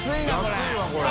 安いわこれ！